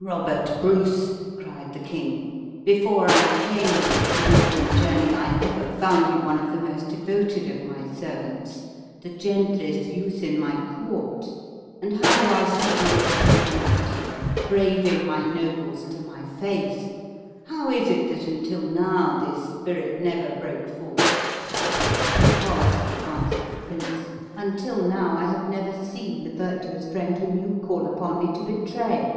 "Robert Bruce," cried the king, "before I came this northern journey I ever found you one of the most devoted of my servants, the gentlest youth in my court; and how do I see you at this moment? Braving my nobles to my face! How is it that until now this spirit never broke forth?" "Because," answered the prince, "until now I have never seen the virtuous friend whom you call upon me to betray."